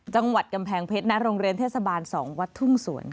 จังหวัดกำแพงเพชรณโรงเรียนเทศบาล๒วัดทุ่งสวนค่ะ